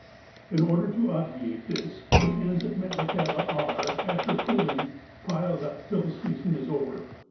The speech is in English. In order to obviate this, the cans at Metlakahtla are, after cooling, piled up till the season is over.